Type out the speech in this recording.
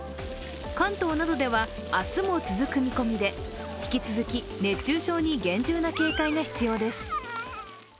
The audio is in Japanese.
関東などでは明日も続く見込みで引き続き、熱中症に厳重な警戒が必要です。